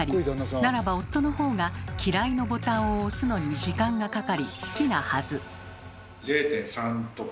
ならば夫の方が「嫌い」のボタンを押すのに時間がかかり好きなはず。